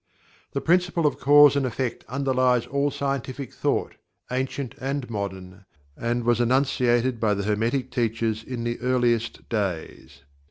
The Principle of Cause and Effect underlies all scientific thought, ancient and modern, and was enunciated by the Hermetic Teachers in the earliest days.